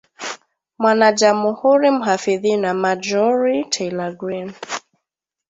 mwanajamuhuri mhafidhina Marjorie Taylor Greene